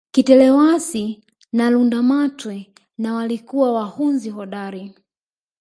Kitelewasi na Lundamatwe na walikuwa wahunzi hodari